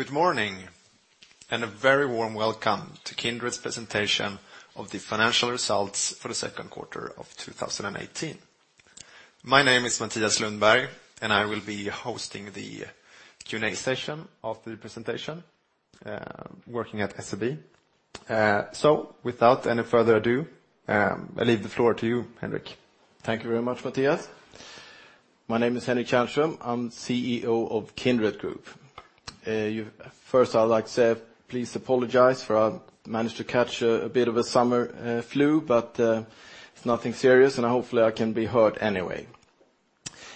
Good morning, a very warm welcome to Kindred's presentation of the financial results for the second quarter of 2018. My name is Matthias Lundberg, I will be hosting the Q&A session of the presentation, working at SEB. Without any further ado, I leave the floor to you, Henrik. Thank you very much, Matthias. My name is Henrik Tjärnström. I am CEO of Kindred Group. First I'd like to say, please apologize for I've managed to catch a bit of a summer flu, but it's nothing serious, and hopefully, I can be heard anyway.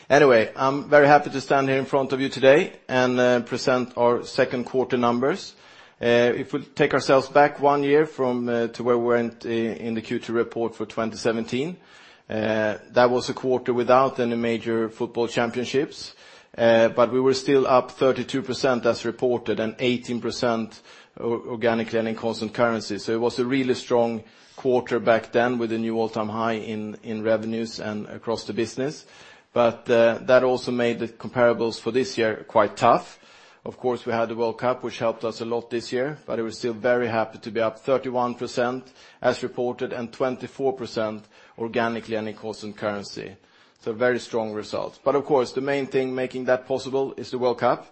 I am very happy to stand here in front of you today and present our second quarter numbers. If we take ourselves back one year to where we were in the Q2 report for 2017, that was a quarter without any major football championships. We were still up 32% as reported, and 18% organically and in constant currency. It was a really strong quarter back then with a new all-time high in revenues and across the business. That also made the comparables for this year quite tough. Of course, we had the World Cup, which helped us a lot this year, but we're still very happy to be up 31% as reported, and 24% organically and in constant currency. Very strong results. Of course, the main thing making that possible is the World Cup.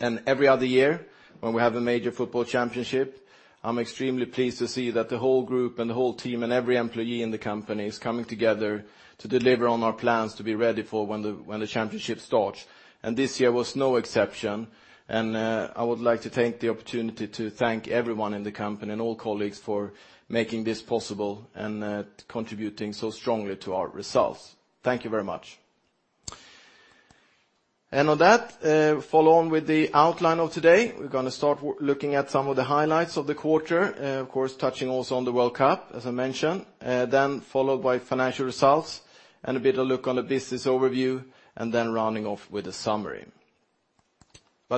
Every other year when we have a major football championship, I'm extremely pleased to see that the whole group, and the whole team, and every employee in the company is coming together to deliver on our plans to be ready for when the championship starts. This year was no exception, and I would like to take the opportunity to thank everyone in the company and all colleagues for making this possible and contributing so strongly to our results. Thank you very much. On that, follow on with the outline of today. We're going to start looking at some of the highlights of the quarter. Of course, touching also on the World Cup, as I mentioned. Followed by financial results and a bit of look on the business overview, rounding off with a summary.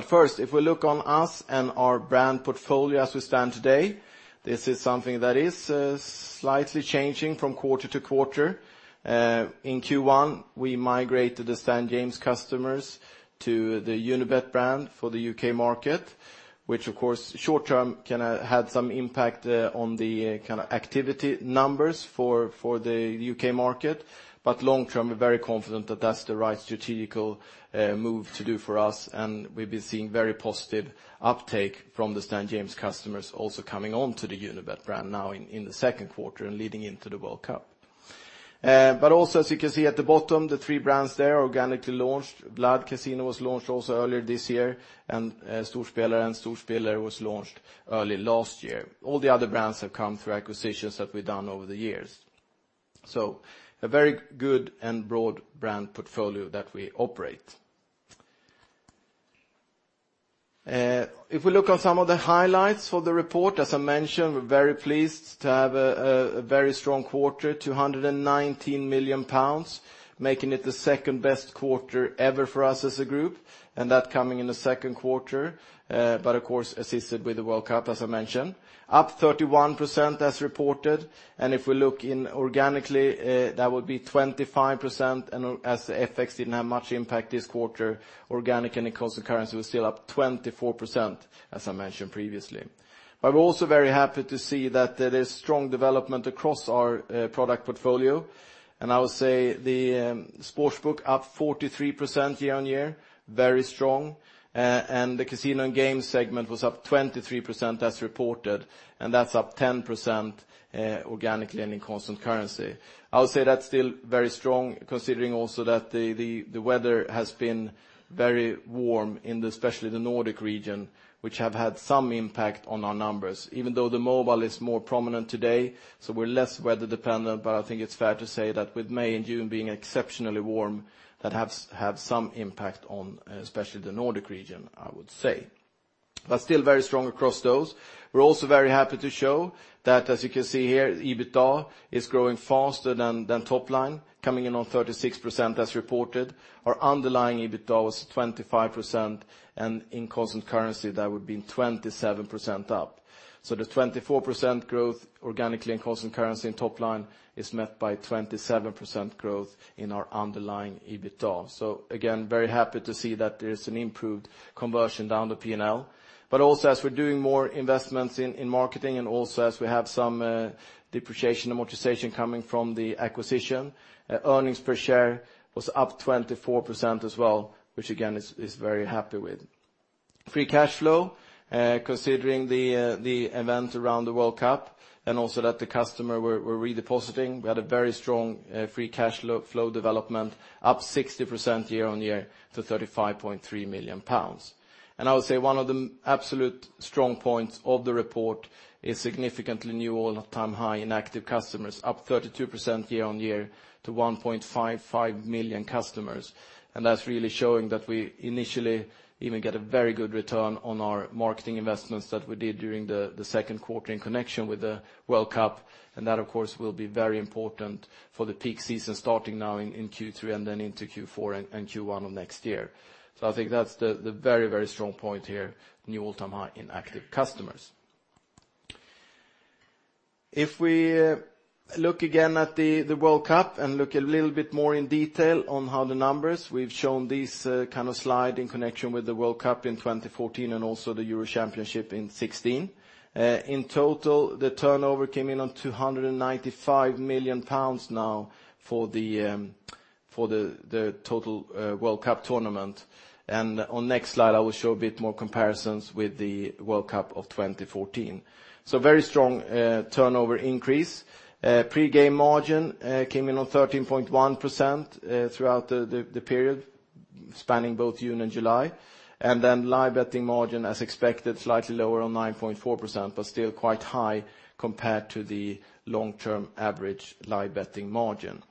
First, if we look on us and our brand portfolio as we stand today, this is something that is slightly changing from quarter to quarter. In Q1, we migrated the Stan James customers to the Unibet brand for the U.K. market, which of course, short-term had some impact on the kind of activity numbers for the U.K. market. Long-term, we're very confident that that's the right strategical move to do for us, and we've been seeing very positive uptake from the Stan James customers also coming on to the Unibet brand now in the second quarter and leading into the World Cup. Also, as you can see at the bottom, the three brands there organically launched. Vlad Cazino was launched also earlier this year, and Storspelare and Suurpelaja was launched early last year. All the other brands have come through acquisitions that we've done over the years. So a very good and broad brand portfolio that we operate. If we look at some of the highlights for the report, as I mentioned, we're very pleased to have a very strong quarter, 219 million pounds, making it the second-best quarter ever for us as a group, and that coming in the second quarter. Of course, assisted with the World Cup, as I mentioned. Up 31% as reported, and if we look in organically, that would be 25%, and as the FX didn't have much impact this quarter, organic and in constant currency, we're still up 24%, as I mentioned previously. We're also very happy to see that there is strong development across our product portfolio, and I would say the sportsbook up 43% year-on-year, very strong. And the casino and game segment was up 23% as reported, and that's up 10% organically and in constant currency. I would say that's still very strong considering also that the weather has been very warm in especially the Nordic region, which have had some impact on our numbers. Even though the mobile is more prominent today, so we're less weather dependent, but I think it's fair to say that with May and June being exceptionally warm, that has had some impact on especially the Nordic region, I would say. Still very strong across those. We're also very happy to show that, as you can see here, EBITDA is growing faster than top line, coming in on 36% as reported. Our underlying EBITDA was 25%, and in constant currency, that would have been 27% up. So the 24% growth organically in constant currency and top line is met by 27% growth in our underlying EBITDA. Again, very happy to see that there is an improved conversion down the P&L. Also as we're doing more investments in marketing and also as we have some depreciation amortization coming from the acquisition, earnings per share was up 24% as well, which again, is very happy with. Free cash flow, considering the event around the World Cup and also that the customers were redepositing, we had a very strong free cash flow development up 60% year-on-year to 35.3 million pounds. I would say one of the absolute strong points of the report is significantly new all-time high in active customers, up 32% year-on-year to 1.55 million customers. That, of course, will be very important for the peak season starting now in Q3 and then into Q4 and Q1 of next year. I think that's the very strong point here, new all-time high in active customers. If we look again at the World Cup and look a little bit more in detail on how the numbers, we've shown this kind of slide in connection with the World Cup in 2014 and also the Euro Championship in 2016. In total, the turnover came in on 295 million pounds now for the total World Cup tournament. On next slide, I will show a bit more comparisons with the World Cup of 2014. Very strong turnover increase. Pre-game margin came in on 13.1% throughout the period spanning both June and July. Live betting margin, as expected, slightly lower on 9.4%, but still quite high compared to the long-term average live betting margin.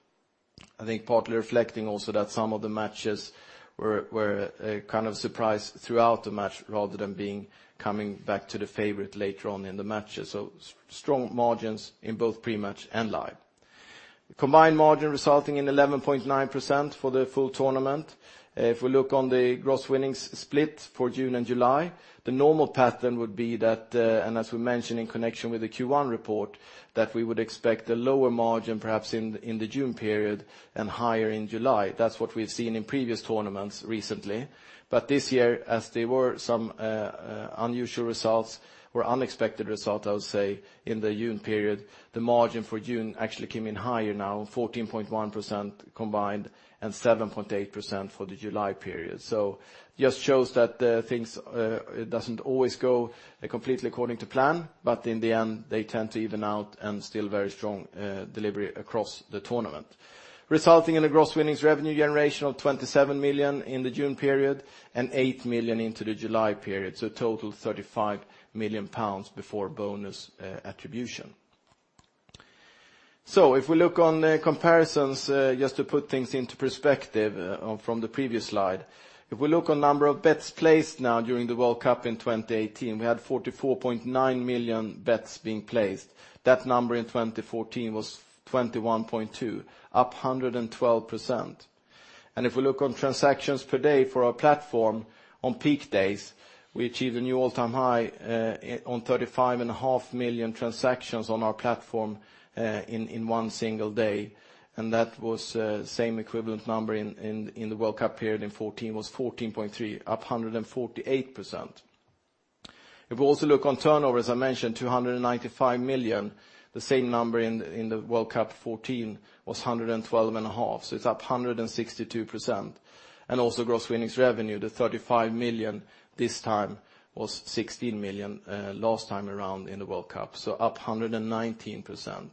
I think partly reflecting also that some of the matches were kind of surprise throughout the match rather than coming back to the favorite later on in the matches. Strong margins in both pre-match and live. Combined margin resulting in 11.9% for the full tournament. If we look on the gross winnings split for June and July, the normal pattern would be that, as we mentioned in connection with the Q1 report, we would expect a lower margin perhaps in the June period and higher in July. That's what we've seen in previous tournaments recently. This year, as there were some unusual results or unexpected results, I would say, in the June period, the margin for June actually came in higher now, 14.1% combined and 7.8% for the July period. Just shows that things doesn't always go completely according to plan, but in the end, they tend to even out and still very strong delivery across the tournament, resulting in a gross winnings revenue generation of 27 million in the June period and 8 million into the July period. Total 35 million pounds before bonus attribution. If we look on the comparisons, just to put things into perspective from the previous slide. If we look on number of bets placed now during the World Cup in 2018, we had 44.9 million bets being placed. That number in 2014 was 21.2, up 112%. If we look on transactions per day for our platform on peak days, we achieved a new all-time high on 35.5 million transactions on our platform in one single day. That was same equivalent number in the World Cup period in 2014, was 14.3, up 148%. If we also look on turnover, as I mentioned, 295 million. The same number in the World Cup 2014 was 112.5, up 162%. Also gross winnings revenue to 35 million this time, was 16 million last time around in the World Cup, up 119%.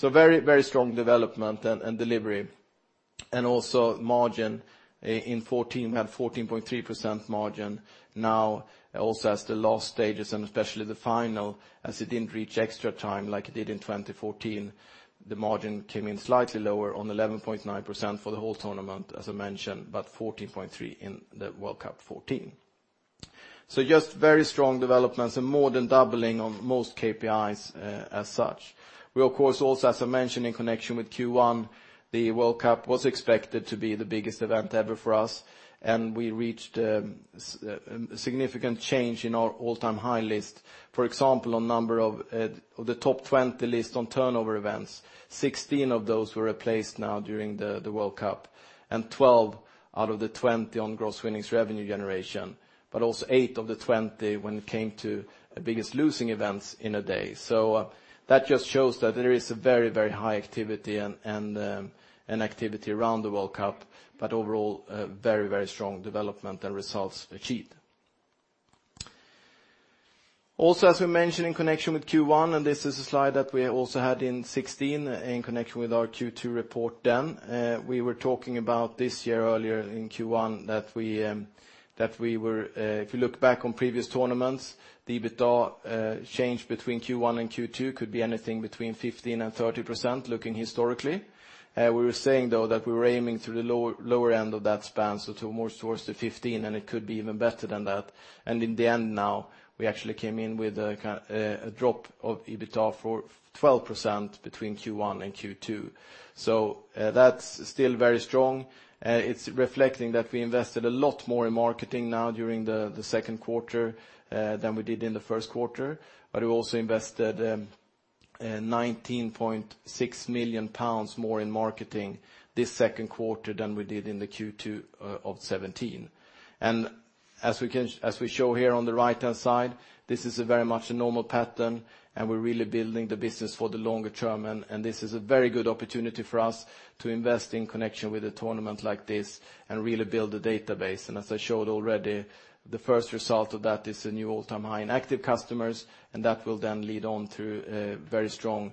Very strong development and delivery. Also margin. In 2014, we had 14.3% margin. Now, also as the last stages and especially the final, as it didn't reach extra time like it did in 2014, the margin came in slightly lower on 11.9% for the whole tournament, as I mentioned, but 14.3% in the World Cup 2014. Just very strong developments and more than doubling of most KPIs as such. We, of course, also, as I mentioned in connection with Q1, the World Cup was expected to be the biggest event ever for us, and we reached a significant change in our all-time high list. For example, on number of the top 20 list on turnover events, 16 of those were replaced now during the World Cup, and 12 out of the 20 on gross winnings revenue generation, but also 8 of the 20 when it came to biggest losing events in a day. That just shows that there is a very high activity and activity around the World Cup, but overall, very strong development and results achieved. Also, as we mentioned in connection with Q1, and this is a slide that we also had in 2016 in connection with our Q2 report then, we were talking about this year earlier in Q1 that if you look back on previous tournaments, the EBITDA change between Q1 and Q2 could be anything between 15%-30% looking historically. We were saying, though, that we were aiming to the lower end of that span, to more towards the 15, and it could be even better than that. In the end now, we actually came in with a drop of EBITDA for 12% between Q1 and Q2. That is still very strong. It is reflecting that we invested a lot more in marketing now during the second quarter than we did in the first quarter, but we also invested 19.6 million pounds more in marketing this second quarter than we did in the Q2 of 2017. As we show here on the right-hand side, this is very much a normal pattern, and we are really building the business for the longer term, and this is a very good opportunity for us to invest in connection with a tournament like this and really build the database. As I showed already, the first result of that is a new all-time high in active customers, and that will then lead on to very strong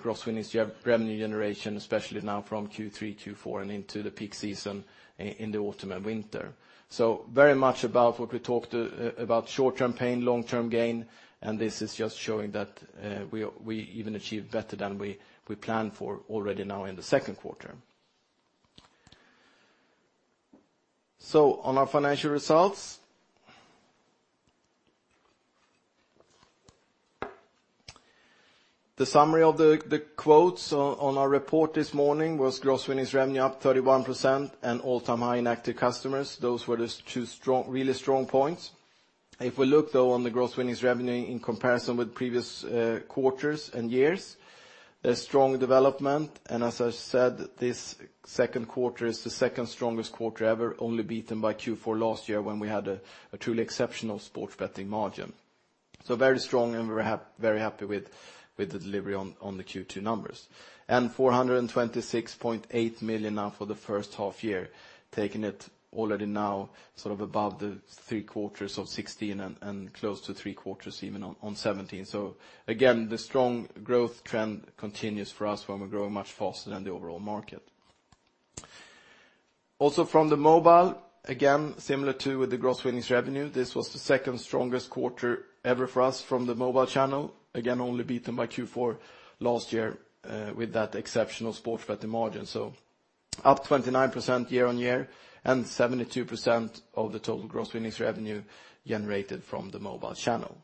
gross winnings revenue generation, especially now from Q3, Q4, and into the peak season in the autumn and winter. Very much about what we talked about short-term pain, long-term gain, and this is just showing that we even achieved better than we planned for already now in the second quarter. On our financial results. The summary of the quotes on our report this morning was gross winnings revenue up 31% and all-time high in active customers. Those were the two really strong points. If we look, though, on the gross winnings revenue in comparison with previous quarters and years, there is strong development. As I said, this second quarter is the second strongest quarter ever, only beaten by Q4 last year, when we had a truly exceptional sports betting margin. Very strong and we are very happy with the delivery on the Q2 numbers. 426.8 million for the first half year, taking it already now above the three quarters of 2016 and close to three quarters even on 2017. Again, the strong growth trend continues for us, where we are growing much faster than the overall market. Also from the mobile, again, similar to, with the gross winnings revenue, this was the second strongest quarter ever for us from the mobile channel. Again, only beaten by Q4 last year with that exceptional sports betting margin. Up 29% year-on-year, and 72% of the total gross winnings revenue generated from the mobile channel.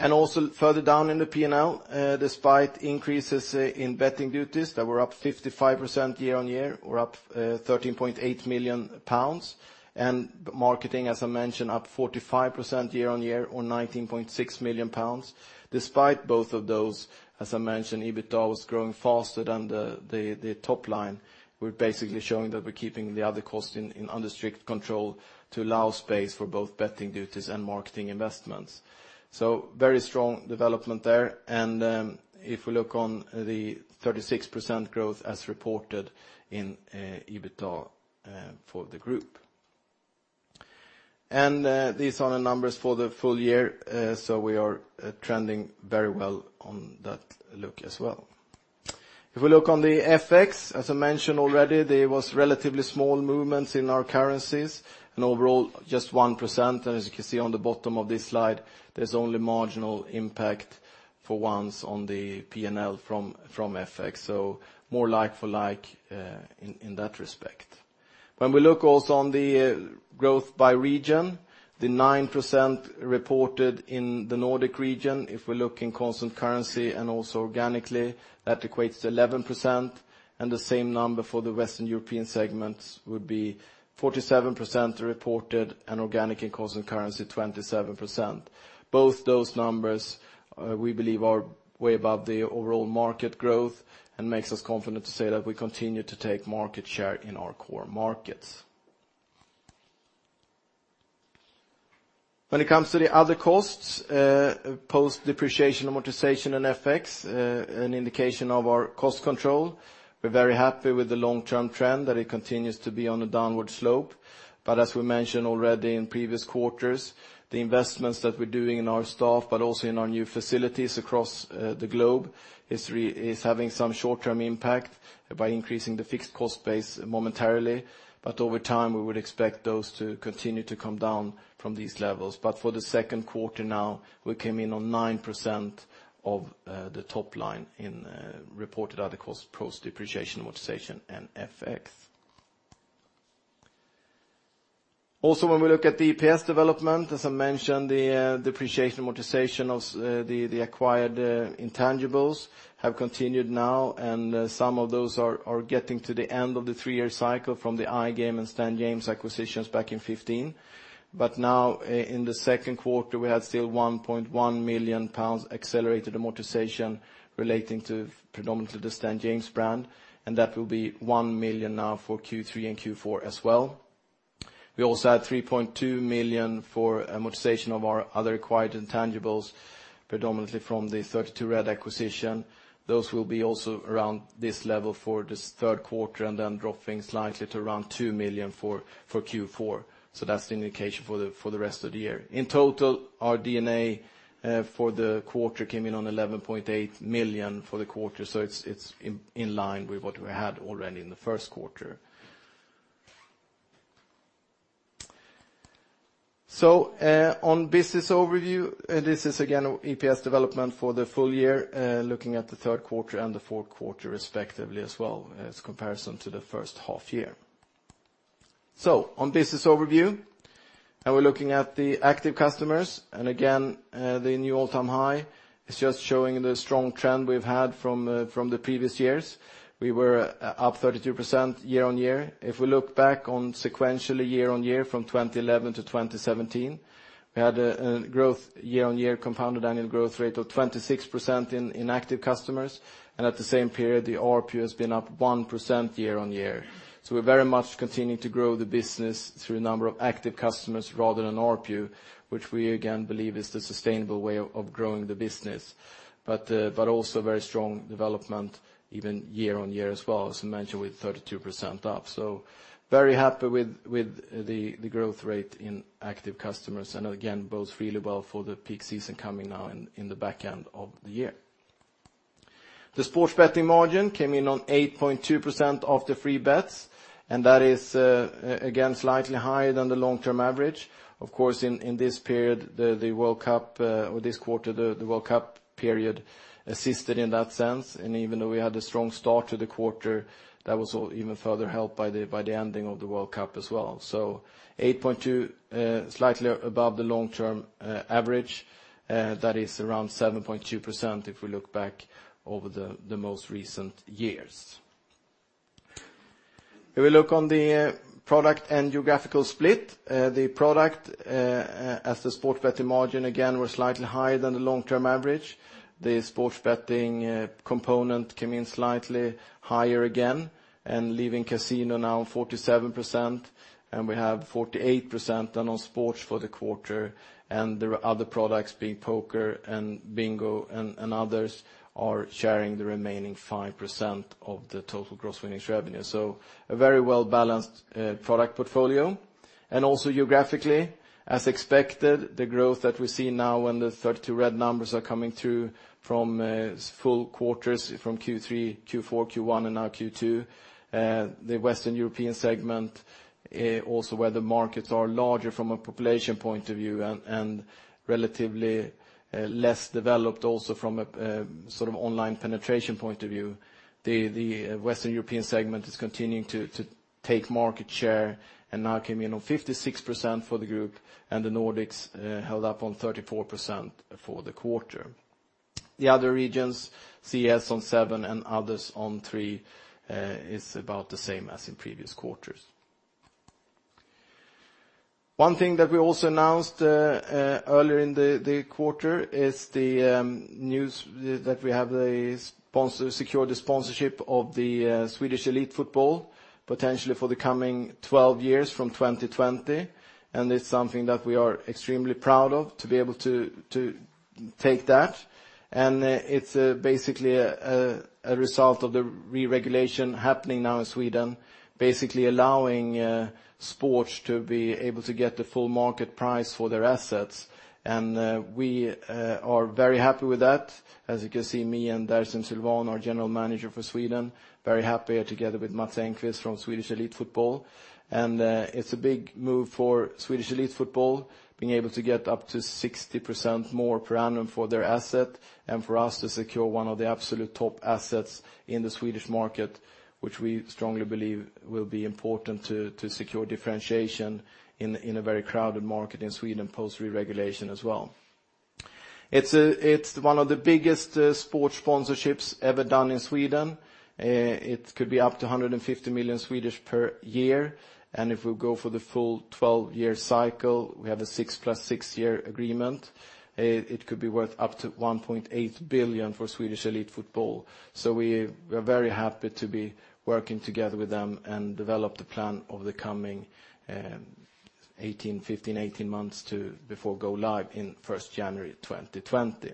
Also further down in the P&L, despite increases in betting duties that were up 55% year-on-year, or up 13.8 million pounds, and marketing, as I mentioned, up 45% year-on-year or 19.6 million pounds. Despite both of those, as I mentioned, EBITDA was growing faster than the top line. We are basically showing that we are keeping the other costs under strict control to allow space for both betting duties and marketing investments. Very strong development there. If we look on the 36% growth as reported in EBITDA for the group. These are the numbers for the full year, we are trending very well on that look as well. If we look on the FX, as I mentioned already, there was relatively small movements in our currencies, overall just 1%. As you can see on the bottom of this slide, there is only marginal impact for once on the P&L from FX. More like for like in that respect. When we look also on the growth by region, the 9% reported in the Nordic region, if we look in constant currency and also organically, that equates to 11%. The same number for the Western European segments would be 47% reported, organic in constant currency, 27%. Both those numbers we believe are way above the overall market growth and makes us confident to say that we continue to take market share in our core markets. When it comes to the other costs, post depreciation, amortization, and FX, an indication of our cost control, we are very happy with the long-term trend, that it continues to be on a downward slope. As we mentioned already in previous quarters, the investments that we are doing in our staff, also in our new facilities across the globe, is having some short-term impact by increasing the fixed cost base momentarily. Over time, we would expect those to continue to come down from these levels. For the second quarter now, we came in on 9% of the top line in reported other costs, post depreciation, amortization, and FX. When we look at the EPS development, as I mentioned, the depreciation and amortization of the acquired intangibles have continued now, some of those are getting to the end of the three-year cycle from the iGame and Stan James acquisitions back in 2015. Now in the second quarter, we had still 1.1 million pounds accelerated amortization relating predominantly to the Stan James brand, that will be 1 million now for Q3 and Q4 as well. We also had 3.2 million for amortization of our other acquired intangibles, predominantly from the 32Red acquisition. Those will be also around this level for this third quarter then dropping slightly to around 2 million for Q4. That is the indication for the rest of the year. In total, our D&A for the quarter came in on 11.8 million for the quarter, it is in line with what we had already in the first quarter. On business overview, this is again EPS development for the full year, looking at the third quarter and the fourth quarter respectively as well, as comparison to the first half year. On business overview, we are looking at the active customers, again, the new all-time high is just showing the strong trend we have had from the previous years. We were up 32% year-on-year. If we look back on sequentially year-on-year from 2011 to 2017, we had a growth year-on-year compounded annual growth rate of 26% in active customers, at the same period, the ARPU has been up 1% year-on-year. We're very much continuing to grow the business through number of active customers rather than ARPU, which we again believe is the sustainable way of growing the business. Also very strong development even year-on-year as well, as I mentioned, with 32% up. Very happy with the growth rate in active customers, and again, bodes really well for the peak season coming now in the back end of the year. The sports betting margin came in on 8.2% of the free bets, and that is, again, slightly higher than the long-term average. Of course, in this period, the World Cup, or this quarter, the World Cup period assisted in that sense. Even though we had a strong start to the quarter, that was even further helped by the ending of the World Cup as well, 8.2%, slightly above the long-term average, that is around 7.2% if we look back over the most recent years. We look on the product and geographical split, the product as the sports betting margin again were slightly higher than the long-term average. The sports betting component came in slightly higher again and leaving casino now 47%, and we have 48% on sports for the quarter, and there are other products, be it Poker and Bingo and others, are sharing the remaining 5% of the total gross winnings revenue. A very well-balanced product portfolio. Also geographically, as expected, the growth that we see now when the 32Red numbers are coming through from full quarters from Q3, Q4, Q1, and now Q2. The Western European segment, also where the markets are larger from a population point of view and relatively less developed also from a online penetration point of view. The Western European segment is continuing to take market share and now came in on 56% for the group, and the Nordics held up on 34% for the quarter. The other regions, CES on 7% and others on 3%, is about the same as in previous quarters. One thing that we also announced earlier in the quarter is the news that we have secured the sponsorship of the Swedish Elite Football, potentially for the coming 12 years from 2020, and it's something that we are extremely proud of to be able to take that. It's basically a result of the re-regulation happening now in Sweden, basically allowing sports to be able to get the full market price for their assets. We are very happy with that. As you can see, me and Dersim Sylvan, our general manager for Sweden, very happy together with Mats Enquist from Swedish Elite Football. It's a big move for Swedish Elite Football, being able to get up to 60% more per annum for their asset, and for us to secure one of the absolute top assets in the Swedish market, which we strongly believe will be important to secure differentiation in a very crowded market in Sweden post re-regulation as well. It's one of the biggest sports sponsorships ever done in Sweden. It could be up to 150 million per year, and if we go for the full 12-year cycle, we have a 6 plus 6 year agreement. It could be worth up to 1.8 billion for Swedish Elite Football. We are very happy to be working together with them and develop the plan over the coming 15, 18 months before go live in 1st January 2020.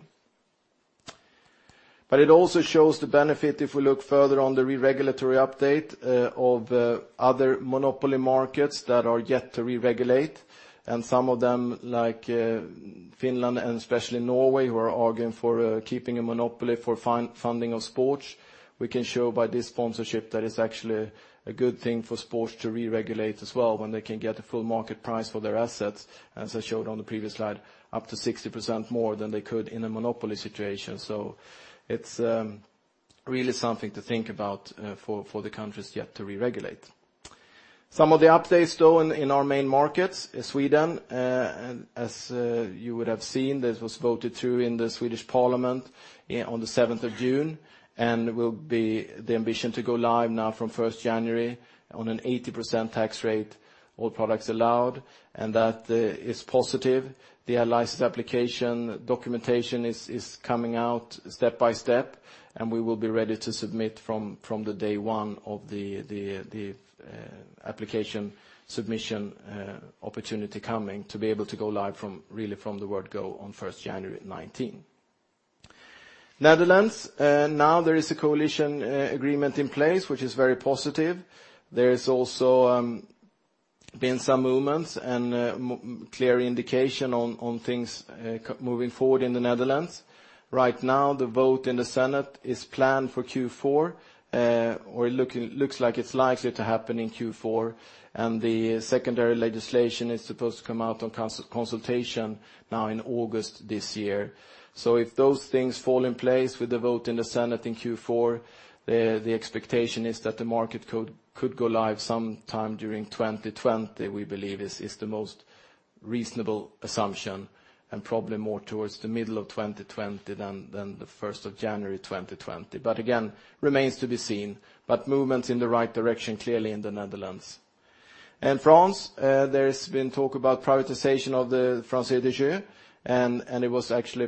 It also shows the benefit if we look further on the re-regulatory update of other monopoly markets that are yet to re-regulate, and some of them, like Finland and especially Norway, who are arguing for keeping a monopoly for funding of sports. We can show by this sponsorship that it's actually a good thing for sports to re-regulate as well when they can get a full market price for their assets, as I showed on the previous slide, up to 60% more than they could in a monopoly situation. It's really something to think about for the countries yet to re-regulate. Some of the updates, though, in our main markets, Sweden, as you would have seen, this was voted through in the Swedish Parliament on the 7th of June, will be the ambition to go live now from 1st January on an 80% tax rate, all products allowed, and that is positive. The license application documentation is coming out step by step, we will be ready to submit from day one of the application submission opportunity coming to be able to go live from really from the word go on 1st January 2019. Netherlands, now there is a coalition agreement in place, which is very positive. There's also been some movements and clear indication on things moving forward in the Netherlands. The vote in the Senate is planned for Q4, or looks like it's likely to happen in Q4, the secondary legislation is supposed to come out on consultation now in August this year. If those things fall in place with the vote in the Senate in Q4, the expectation is that the market could go live sometime during 2020, we believe is the most reasonable assumption, probably more towards the middle of 2020 than the 1st of January 2020. Again, remains to be seen, but movements in the right direction, clearly in the Netherlands. In France, there's been talk about privatization of the FDJ, it was actually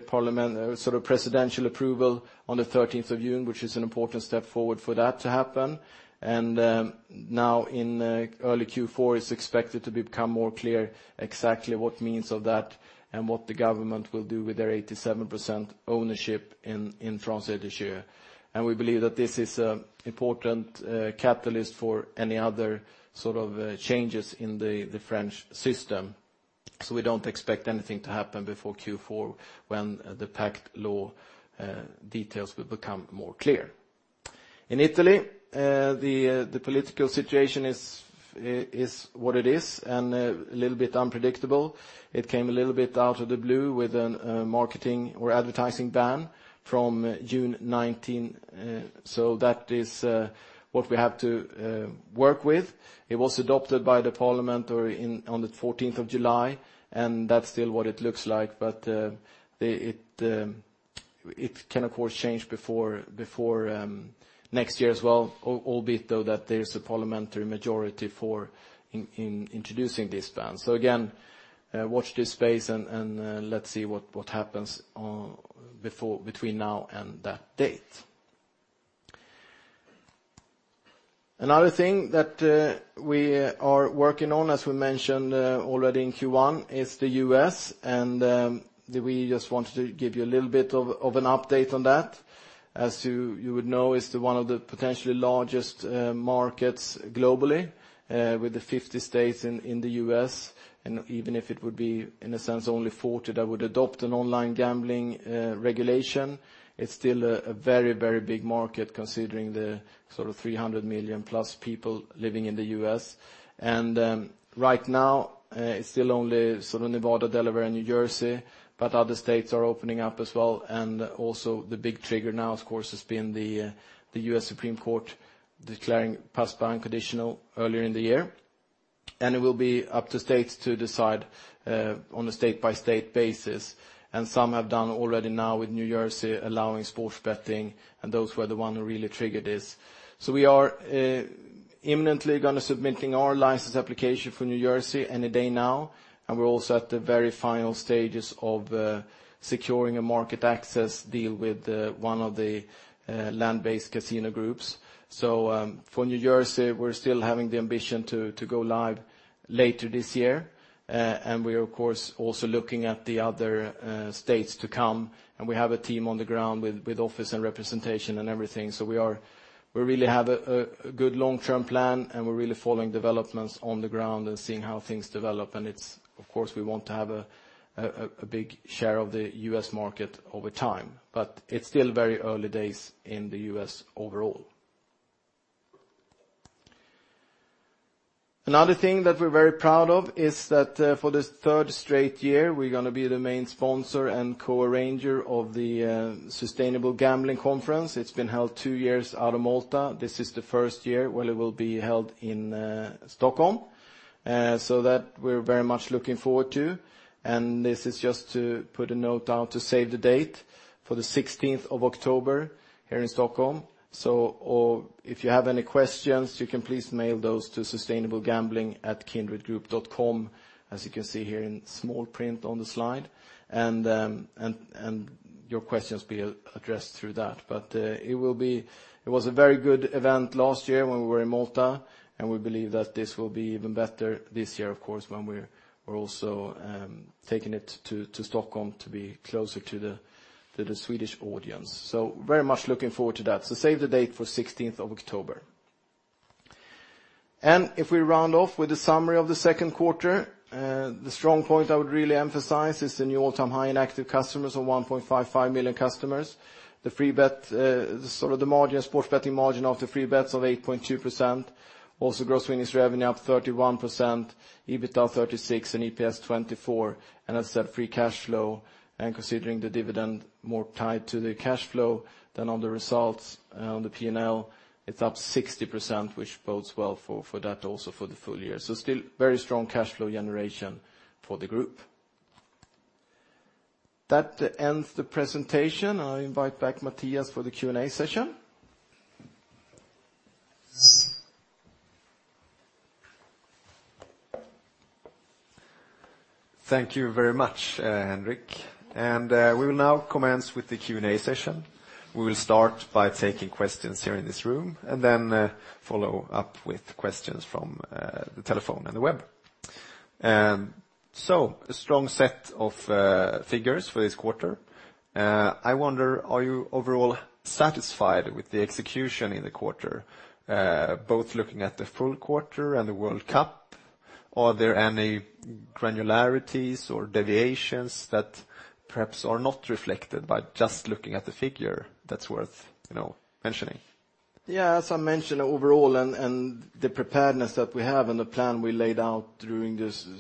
presidential approval on the 13th of June, which is an important step forward for that to happen. In early Q4, it's expected to become more clear exactly what means of that and what the government will do with their 87% ownership in FDJ. We don't expect anything to happen before Q4 when the PACTE law details will become more clear. In Italy, the political situation is what it is, a little bit unpredictable. It came a little bit out of the blue with a marketing or advertising ban from June 19. That is what we have to work with. It was adopted by the parliament on the 14th of July, that's still what it looks like, it can, of course, change before next year as well, albeit though that there's a parliamentary majority for introducing this ban. Again, watch this space and let's see what happens between now and that date. Another thing that we are working on, as we mentioned already in Q1, is the U.S., and we just wanted to give you a little bit of an update on that. As you would know, it's one of the potentially largest markets globally with the 50 states in the U.S., and even if it would be, in a sense, only 40 that would adopt an online gambling regulation, it's still a very big market considering the sort of 300 million+ people living in the U.S. Right now it's still only sort of Nevada, Delaware, and New Jersey, but other states are opening up as well, also the big trigger now, of course, has been the Supreme Court of the United States declaring PASPA unconstitutional earlier in the year, and it will be up to states to decide on a state-by-state basis. Some have done already now with New Jersey allowing sports betting, and those were the ones who really triggered this. We are imminently going to submitting our license application for New Jersey any day now, and we're also at the very final stages of securing a market access deal with one of the land-based casino groups. For New Jersey, we're still having the ambition to go live later this year, and we are of course also looking at the other states to come, and we have a team on the ground with office and representation and everything. We really have a good long-term plan, and we're really following developments on the ground and seeing how things develop. Of course, we want to have a big share of the U.S. market over time, but it's still very early days in the U.S. overall. Another thing that we're very proud of is that for the third straight year, we're going to be the main sponsor and co-arranger of the Sustainable Gambling Conference. It's been held two years out of Malta. This is the first year where it will be held in Stockholm. That we're very much looking forward to, and this is just to put a note out to save the date for the 16th of October here in Stockholm. If you have any questions, you can please mail those to sustainablegambling@kindredgroup.com, as you can see here in small print on the slide, and your questions will be addressed through that. It was a very good event last year when we were in Malta, and we believe that this will be even better this year, of course, when we're also taking it to Stockholm to be closer to the Swedish audience. Very much looking forward to that. Save the date for 16th of October. If we round off with a summary of the second quarter, the strong point I would really emphasize is the new all-time high in active customers of 1.55 million customers. The free bet, sort of the sports betting margin of the free bets of 8.2%. Gross winning revenue up 31%, EBITDA 36%, and EPS 24%. As I said, free cash flow and considering the dividend more tied to the cash flow than on the results on the P&L, it's up 60%, which bodes well for that also for the full year. Still very strong cash flow generation for the group. That ends the presentation. I invite back Matthias for the Q&A session. Thank you very much, Henrik. We will now commence with the Q&A session. We will start by taking questions here in this room and then follow up with questions from the telephone and the web. A strong set of figures for this quarter. I wonder, are you overall satisfied with the execution in the quarter, both looking at the full quarter and the World Cup? Are there any granularities or deviations that perhaps are not reflected by just looking at the figure that's worth mentioning? Yeah, as I mentioned, overall. The preparedness that we have and the plan we laid out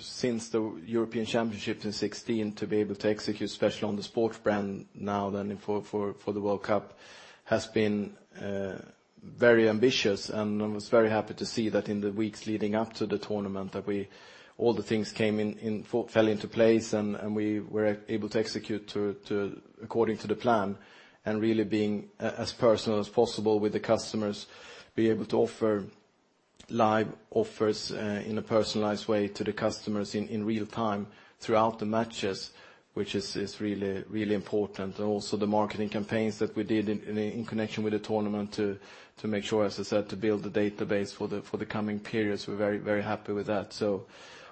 since the European Championship in 2016 to be able to execute, especially on the sports brand now than for the World Cup, has been very ambitious. I was very happy to see that in the weeks leading up to the tournament that all the things fell into place. We were able to execute according to the plan and really being as personal as possible with the customers, being able to offer live offers in a personalized way to the customers in real-time throughout the matches, which is really important. Also the marketing campaigns that we did in connection with the tournament to make sure, as I said, to build the database for the coming periods. We're very happy with that.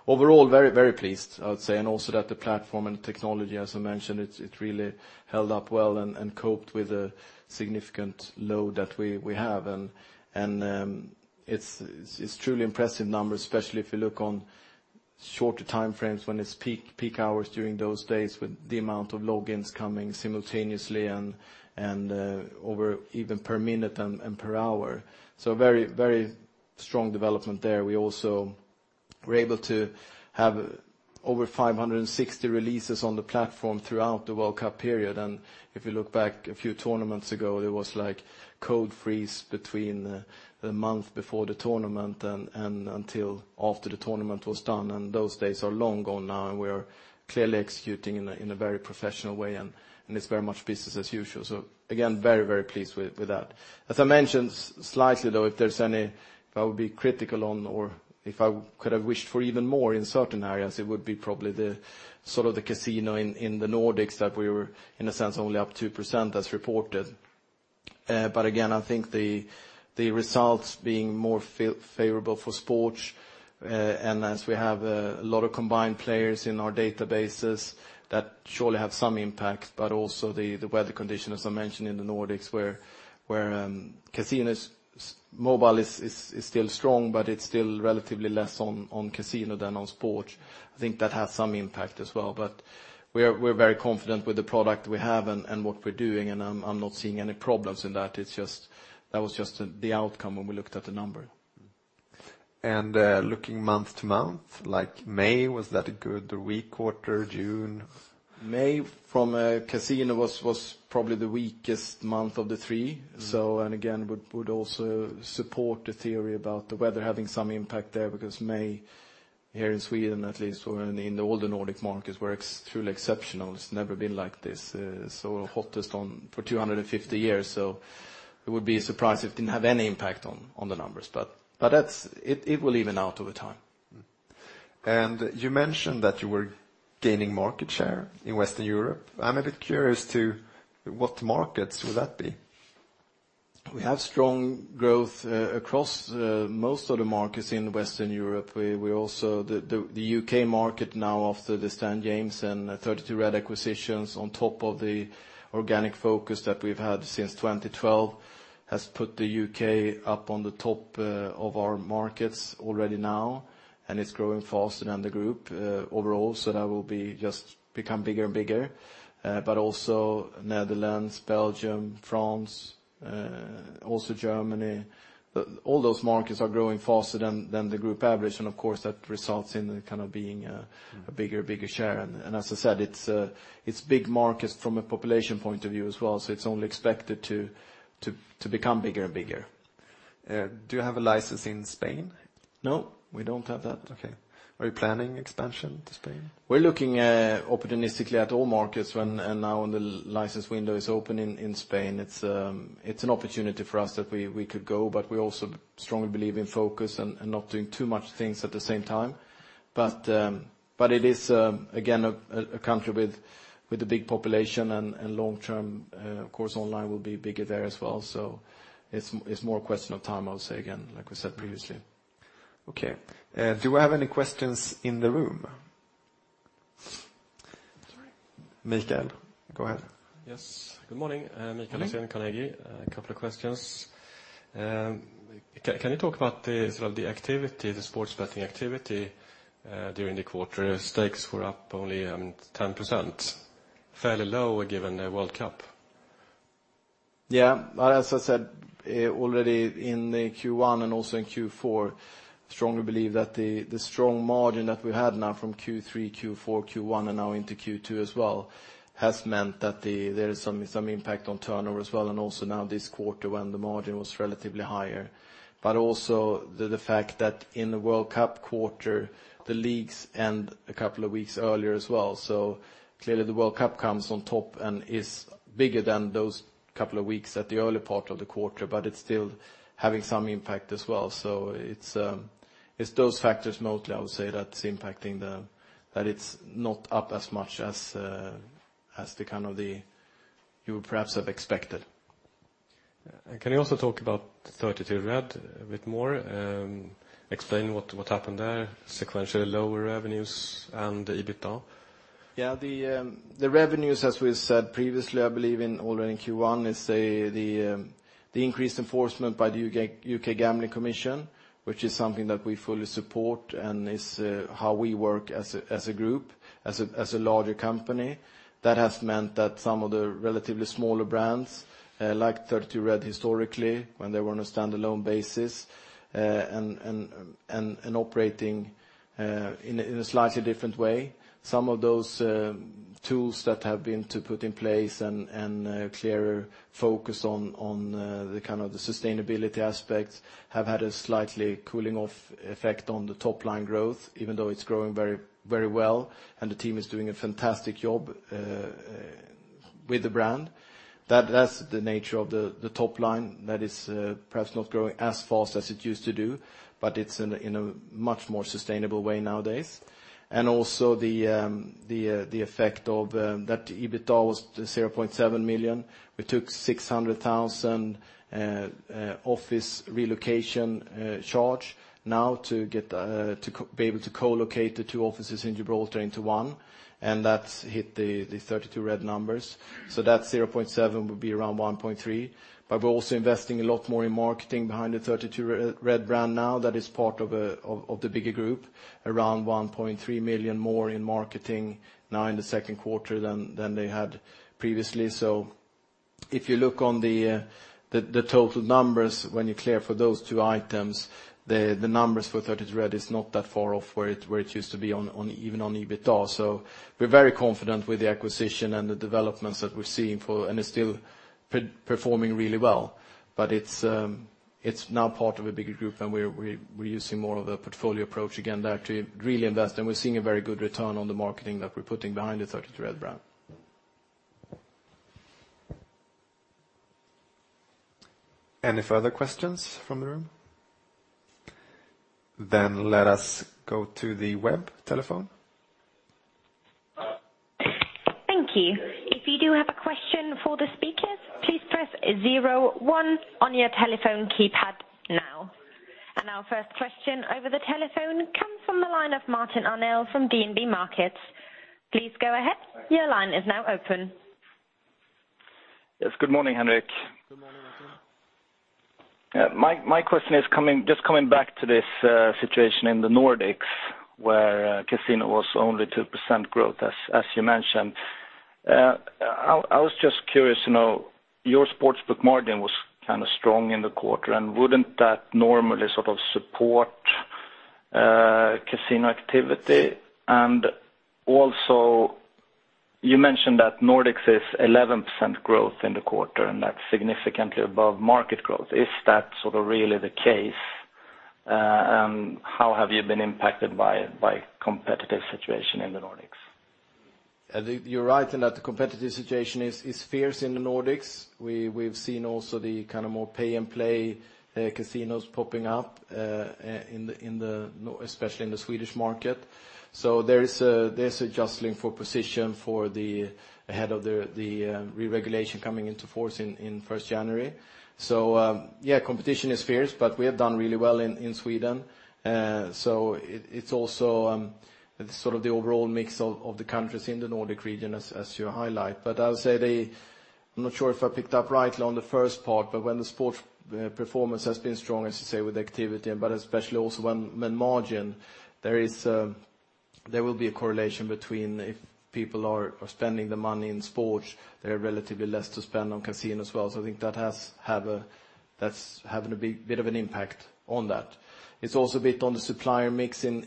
Overall, very pleased, I would say. Also that the platform and technology, as I mentioned, it really held up well and coped with the significant load that we have. It's truly impressive numbers, especially if you look on shorter time frames when it's peak hours during those days with the amount of logins coming simultaneously and over even per minute and per hour. Very strong development there. We also were able to have over 560 releases on the platform throughout the World Cup period. If you look back a few tournaments ago, there was code freeze between the month before the tournament and until after the tournament was done, and those days are long gone now, and we are clearly executing in a very professional way, and it's very much business as usual. Again, very pleased with that. As I mentioned slightly, though, if there's any, if I would be critical on, or if I could have wished for even more in certain areas, it would be probably the casino in the Nordics that we were, in a sense, only up 2% as reported. Again, I think the results being more favorable for sports, and as we have a lot of combined players in our databases, that surely have some impact, also the weather condition, as I mentioned, in the Nordics, where casino mobile is still strong, but it's still relatively less on casino than on sports. I think that has some impact as well. We're very confident with the product we have and what we're doing, and I'm not seeing any problems in that. That was just the outcome when we looked at the number. Looking month-to-month, like May, was that a good weak quarter? June? May from a casino was probably the weakest month of the three. Again, would also support the theory about the weather having some impact there because May here in Sweden, at least in all the Nordic markets, were truly exceptional. It's never been like this. Hottest on for 250 years. It would be a surprise if it didn't have any impact on the numbers. It will even out over time. You mentioned that you were gaining market share in Western Europe. I'm a bit curious to what markets would that be? We have strong growth across most of the markets in Western Europe. The U.K. market now after the Stan James and 32Red acquisitions on top of the organic focus that we've had since 2012 has put the U.K. up on the top of our markets already now, and it's growing faster than the group overall. That will just become bigger and bigger. Also Netherlands, Belgium, France, also Germany. All those markets are growing faster than the group average, and of course, that results in there kind of being a bigger share. As I said, it's big markets from a population point of view as well, so it's only expected to become bigger and bigger. Do you have a license in Spain? No, we don't have that. Okay. Are you planning expansion to Spain? We're looking opportunistically at all markets now the license window is open in Spain. It's an opportunity for us that we could go, but we also strongly believe in focus and not doing too much things at the same time. It is, again, a country with a big population and long-term, of course, online will be bigger there as well. It's more a question of time, I'll say again, like we said previously. Okay. Do we have any questions in the room? Sorry. Mikael, go ahead. Yes. Good morning. Good morning. [inaudible] As I said already in the Q1 and also in Q4, strongly believe that the strong margin that we had now from Q3, Q4, Q1, and now into Q2 as well, has meant that there is some impact on turnover as well, and also now this quarter when the margin was relatively higher. The fact that in the World Cup quarter, the leagues end a couple of weeks earlier as well. Clearly the World Cup comes on top and is bigger than those couple of weeks at the early part of the quarter, but it's still having some impact as well. It's those factors mostly, I would say, that's impacting the that it's not up as much as you would perhaps have expected. Can you also talk about 32Red a bit more? Explain what happened there, sequentially lower revenues and the EBITDA. Yeah, the revenues, as we said previously, I believe in already in Q1, is the increased enforcement by the UK Gambling Commission, which is something that we fully support and is how we work as a group, as a larger company. That has meant that some of the relatively smaller brands, like 32Red historically, when they were on a standalone basis, and operating in a slightly different way. Some of those tools that have been to put in place and a clearer focus on the kind of the sustainability aspects have had a slightly cooling off effect on the top line growth, even though it's growing very well, and the team is doing a fantastic job with the brand. That's the nature of the top line that is perhaps not growing as fast as it used to do, but it's in a much more sustainable way nowadays. Also the effect of that EBITDA was 0.7 million. We took 600,000 office relocation charge now to be able to co-locate the two offices in Gibraltar into one, and that's hit the 32Red numbers. That 0.7 would be around 1.3, but we're also investing a lot more in marketing behind the 32Red brand now that is part of the bigger group, around 1.3 million more in marketing now in the second quarter than they had previously. If you look on the total numbers, when you clear for those two items, the numbers for 32Red is not that far off where it used to be even on EBITDA. We're very confident with the acquisition and the developments that we're seeing, and it's still performing really well. It's now part of a bigger group, and we're using more of a portfolio approach again there to really invest, and we're seeing a very good return on the marketing that we're putting behind the 32Red brand. Any further questions from the room? Let us go to the web telephone. Thank you. If you do have a question for the speakers, please press 01 on your telephone keypad now. Our first question over the telephone comes from the line of Martin Arnell from DNB Markets. Please go ahead. Your line is now open. Yes, good morning, Henrik. Good morning, Martin. My question is just coming back to this situation in the Nordics, where casino was only 2% growth, as you mentioned. I was just curious, your sportsbook margin was kind of strong in the quarter, wouldn't that normally sort of support casino activity? Also, you mentioned that Nordics is 11% growth in the quarter, that's significantly above market growth. Is that sort of really the case, and how have you been impacted by competitive situation in the Nordics? You're right in that the competitive situation is fierce in the Nordics. We've seen also the kind of more Pay and Play casinos popping up, especially in the Swedish market. There's adjusting for position ahead of the re-regulation coming into force in 1st January. Yeah, competition is fierce, we have done really well in Sweden. It's also sort of the overall mix of the countries in the Nordic region, as you highlight. I would say, I'm not sure if I picked up rightly on the first part, when the sport performance has been strong, as you say, with activity, but especially also when margin, there will be a correlation between if people are spending the money in sports, there are relatively less to spend on casino as well. I think that's having a bit of an impact on that. It's also a bit on the supplier mix in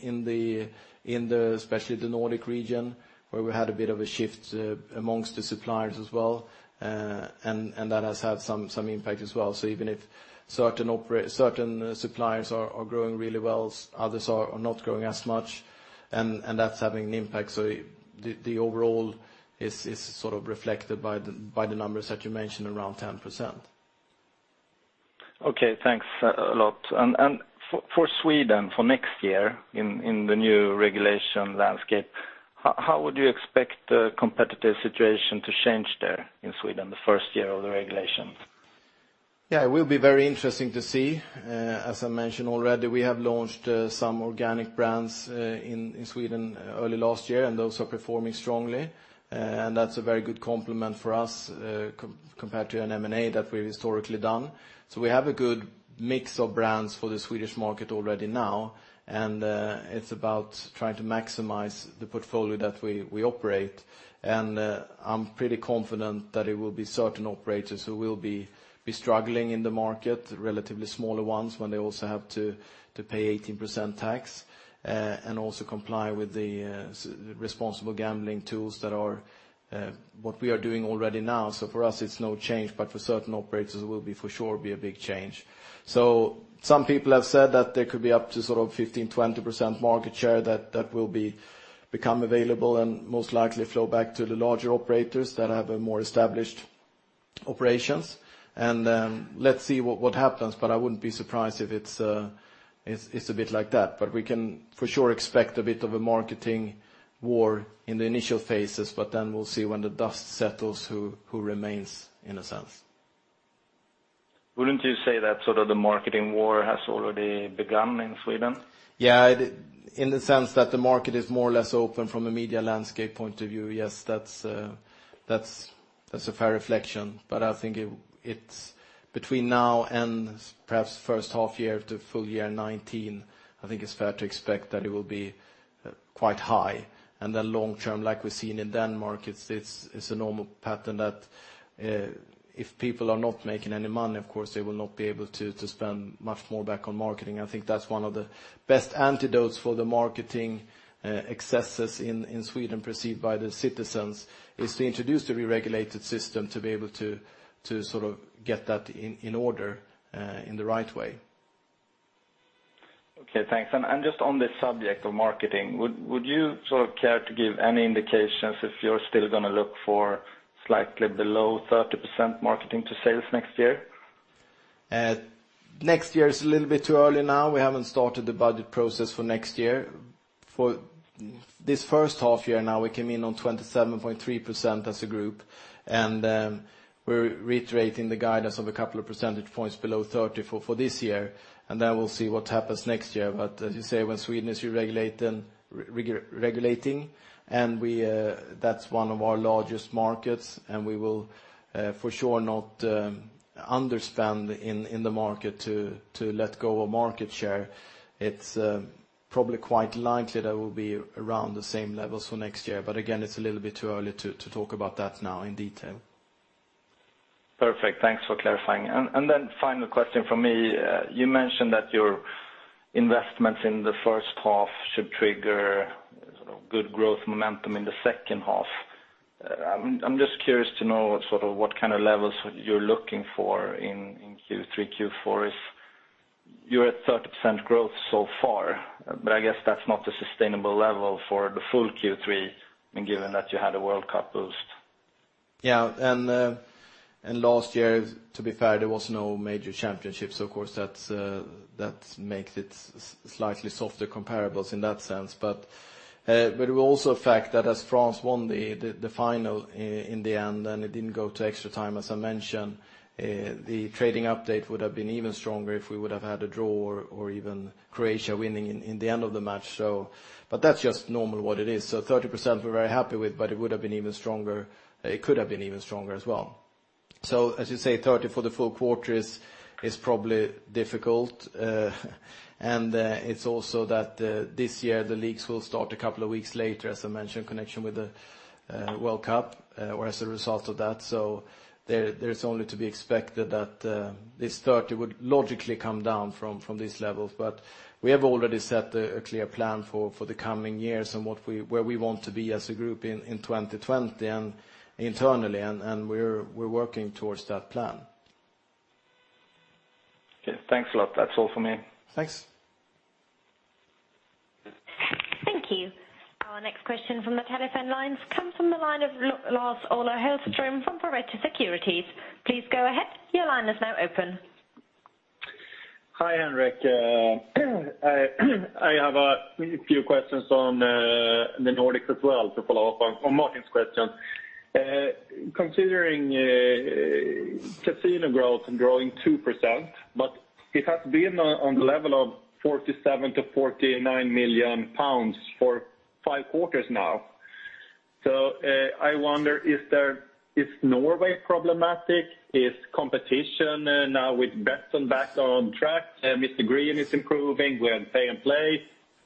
especially the Nordic region, where we had a bit of a shift amongst the suppliers as well, and that has had some impact as well. Even if certain suppliers are growing really well, others are not growing as much, and that's having an impact. The overall is sort of reflected by the numbers that you mentioned, around 10%. Okay, thanks a lot. For Sweden for next year in the new regulation landscape, how would you expect the competitive situation to change there in Sweden, the first year of the regulation? It will be very interesting to see. As I mentioned already, we have launched some organic brands in Sweden early last year, and those are performing strongly, and that's a very good complement for us compared to an M&A that we've historically done. We have a good mix of brands for the Swedish market already now, and it's about trying to maximize the portfolio that we operate. I'm pretty confident that it will be certain operators who will be struggling in the market, relatively smaller ones, when they also have to pay 18% tax, and also comply with the responsible gambling tools that are what we are doing already now. For us, it's no change, but for certain operators, it will for sure be a big change. Some people have said that there could be up to sort of 15%-20% market share that will become available and most likely flow back to the larger operators that have a more established operations, and let's see what happens, but I wouldn't be surprised if it's a bit like that. We can for sure expect a bit of a marketing war in the initial phases, but then we'll see when the dust settles who remains in a sense. Wouldn't you say that sort of the marketing war has already begun in Sweden? Yeah, in the sense that the market is more or less open from a media landscape point of view, yes. That's a fair reflection. I think between now and perhaps first half year to full year 2019, I think it's fair to expect that it will be quite high. Then long-term, like we've seen in Denmark, it's a normal pattern that if people are not making any money, of course they will not be able to spend much more back on marketing. I think that's one of the best antidotes for the marketing excesses in Sweden perceived by the citizens, is to introduce the regulated system to be able to sort of get that in order in the right way. Okay, thanks. Just on the subject of marketing, would you sort of care to give any indications if you're still going to look for slightly below 30% marketing to sales next year? Next year is a little bit too early now. We haven't started the budget process for next year. For this first half year now, we came in on 27.3% as a group, and we're reiterating the guidance of a couple of percentage points below 30 for this year, and then we'll see what happens next year. As you say, when Sweden is regulating, and that's one of our largest markets, and we will for sure not under-spend in the market to let go of market share. Probably quite likely that will be around the same levels for next year, but again, it's a little bit too early to talk about that now in detail. Perfect. Thanks for clarifying. Final question from me. You mentioned that your investments in the first half should trigger good growth momentum in the second half. I'm just curious to know what kind of levels you're looking for in Q3, Q4. You're at 30% growth so far, but I guess that's not a sustainable level for the full Q3, given that you had a World Cup boost. Yeah. Last year, to be fair, there was no major championships. Of course, that makes it slightly softer comparables in that sense. It was also a fact that as France won the final in the end, and it didn't go to extra time, as I mentioned, the trading update would have been even stronger if we would have had a draw or even Croatia winning in the end of the match. That's just normal what it is. 30% we're very happy with, but it could have been even stronger as well. As you say, 30 for the full quarter is probably difficult. It's also that this year the leagues will start a couple of weeks later, as I mentioned, connection with the World Cup, or as a result of that. There is only to be expected that this 30 would logically come down from these levels. We have already set a clear plan for the coming years and where we want to be as a group in 2020 internally, and we're working towards that plan. Okay, thanks a lot. That's all for me. Thanks. Thank you. Our next question from the telephone lines comes from the line of Lars-Ola Hellström from Pareto Securities. Please go ahead. Your line is now open. Hi, Henrik. I have a few questions on the Nordics as well, to follow up on Martin's question. Considering casino growth growing 2%, but it has been on the level of 47 million-49 million pounds for five quarters now. I wonder, is Norway problematic? Is competition now with Betsson back on track? Mr Green is improving with Pay N Play.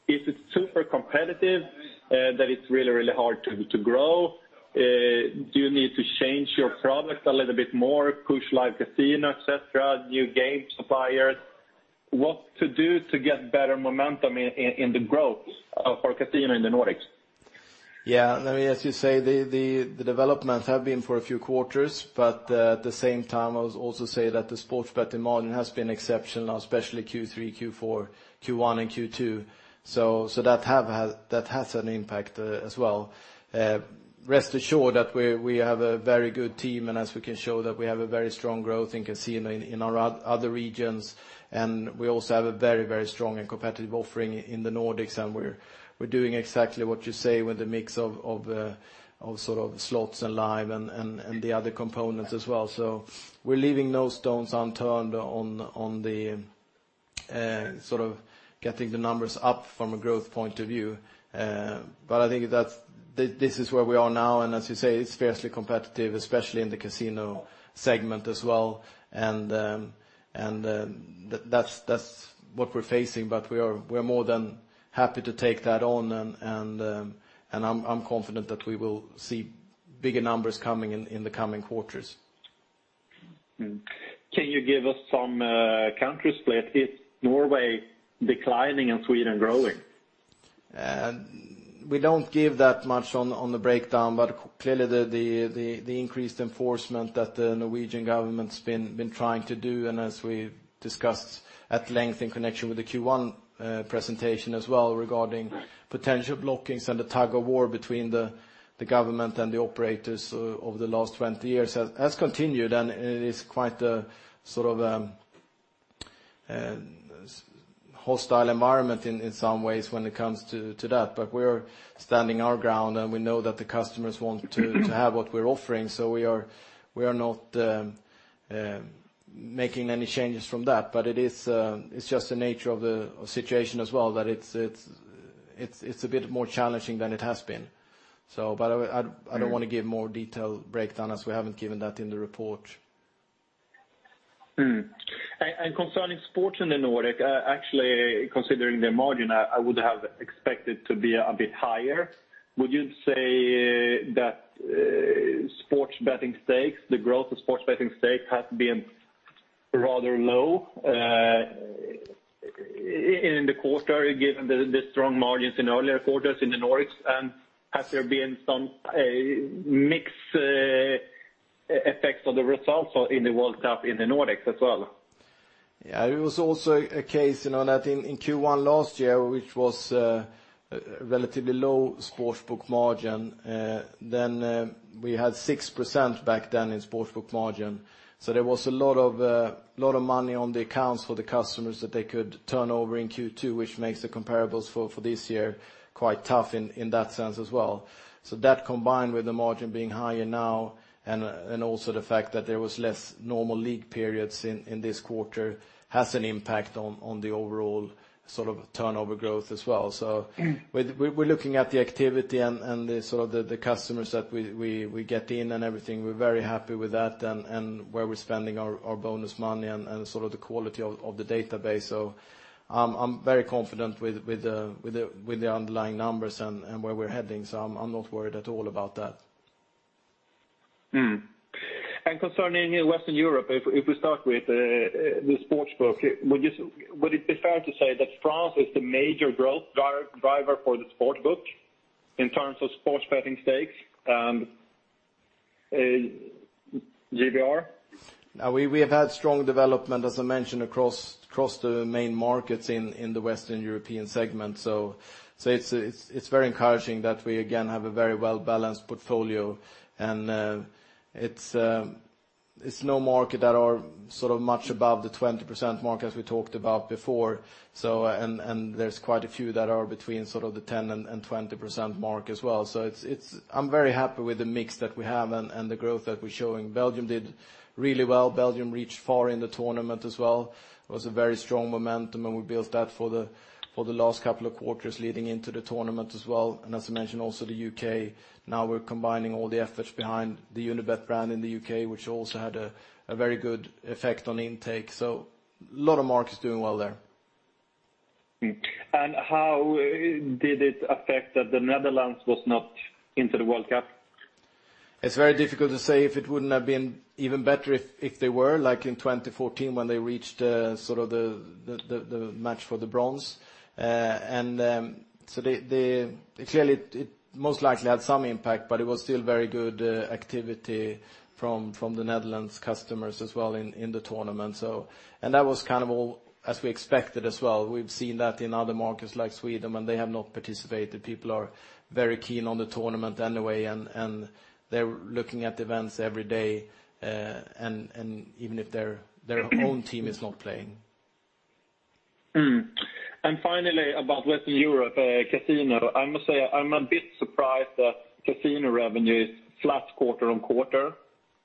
Is it super competitive that it's really hard to grow? Do you need to change your product a little bit more, push live casino, et cetera, new game suppliers? What to do to get better momentum in the growth for casino in the Nordics? Yeah, as you say, the developments have been for a few quarters, but at the same time, I would also say that the sports betting margin has been exceptional, especially Q3, Q4, Q1, and Q2. That has an impact as well. Rest assured that we have a very good team, and as we can show that we have a very strong growth in casino in our other regions, and we also have a very strong and competitive offering in the Nordics, and we're doing exactly what you say with a mix of slots and live and the other components as well. We're leaving no stones unturned on getting the numbers up from a growth point of view. I think this is where we are now, and as you say, it's fiercely competitive, especially in the casino segment as well, and that's what we're facing, but we're more than happy to take that on, and I'm confident that we will see bigger numbers coming in the coming quarters. Can you give us some country split? Is Norway declining and Sweden growing? We don't give that much on the breakdown, but clearly the increased enforcement that the Norwegian government's been trying to do, and as we discussed at length in connection with the Q1 presentation as well regarding potential blockings and the tug-of-war between the government and the operators over the last 20 years has continued, and it is quite a hostile environment in some ways when it comes to that. We're standing our ground, and we know that the customers want to have what we're offering, so we are not making any changes from that. It's just the nature of the situation as well that it's a bit more challenging than it has been. I don't want to give more detailed breakdown as we haven't given that in the report. Concerning sports in the Nordic, actually, considering the margin, I would have expected to be a bit higher. Would you say that sports betting stakes, the growth of sports betting stakes has been rather low in the quarter, given the strong margins in earlier quarters in the Nordics? Has there been some mix effects of the results in the World Cup in the Nordics as well? Yeah, it was also a case in Q1 last year, which was a relatively low sportsbook margin. We had 6% back then in sportsbook margin. There was a lot of money on the accounts for the customers that they could turn over in Q2, which makes the comparables for this year quite tough in that sense as well. That combined with the margin being higher now and also the fact that there was less normal league periods in this quarter has an impact on the overall turnover growth as well. We're looking at the activity and the customers that we get in and everything. We're very happy with that and where we're spending our bonus money and the quality of the database. I'm very confident with the underlying numbers and where we're heading. I'm not worried at all about that. Concerning Western Europe, if we start with the sports book, would it be fair to say that France is the major growth driver for the sports book in terms of sports betting stakes and GGR? We have had strong development, as I mentioned, across the main markets in the Western European segment. It's very encouraging that we again have a very well-balanced portfolio, and it's no market that are much above the 20% mark, as we talked about before. There's quite a few that are between the 10% and 20% mark as well. I'm very happy with the mix that we have and the growth that we're showing. Belgium did really well. Belgium reached far in the tournament as well. It was a very strong momentum, and we built that for the last couple of quarters leading into the tournament as well. As I mentioned, also the U.K., now we're combining all the efforts behind the Unibet brand in the U.K., which also had a very good effect on intake. A lot of markets doing well there. How did it affect that the Netherlands was not into the World Cup? It's very difficult to say if it wouldn't have been even better if they were, like in 2014 when they reached the match for the bronze. Clearly, it most likely had some impact, but it was still very good activity from the Netherlands customers as well in the tournament. That was kind of all as we expected as well. We've seen that in other markets like Sweden, when they have not participated, people are very keen on the tournament anyway, and they're looking at events every day, even if their own team is not playing. Finally, about Western Europe Casino, I must say, I'm a bit surprised that casino revenue is flat quarter-on-quarter,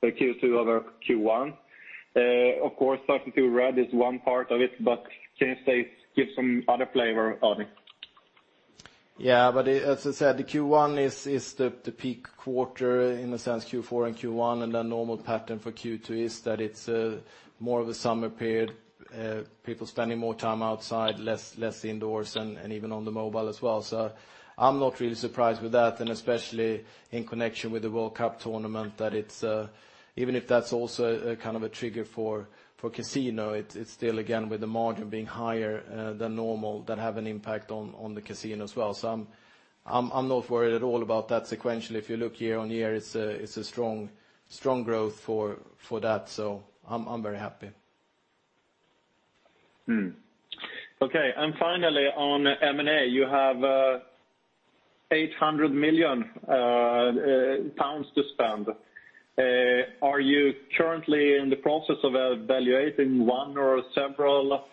Q2 over Q1. Of course, 32Red is one part of it, but can you give some other flavor on it? As I said, the Q1 is the peak quarter in a sense, Q4 and Q1, and the normal pattern for Q2 is that it's more of a summer period, people spending more time outside, less indoors, and even on the mobile as well. I'm not really surprised with that, and especially in connection with the World Cup tournament, that even if that's also a kind of a trigger for casino, it's still, again, with the margin being higher than normal, that have an impact on the casino as well. I'm not worried at all about that sequentially. If you look year-on-year, it's a strong growth for that. I'm very happy. Okay. Finally, on M&A, you have 800 million pounds to spend. Are you currently in the process of evaluating one or several